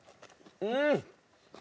うん！